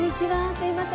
すいません。